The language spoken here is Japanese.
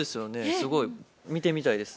すごい見てみたいです。